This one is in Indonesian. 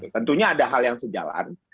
tentunya ada hal yang sejalan